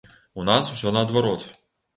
У нас усё наадварот.